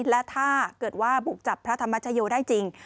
และถ้าเกิดว่าบุกจับพระธรรมชโยได้จริง